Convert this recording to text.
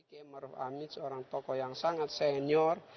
yang pasti ma'ruf amin seorang tokoh yang sangat senior